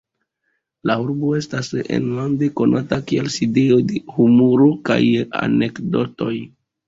La urbo estas enlande konata kiel sidejo de humuro kaj anekdotoj.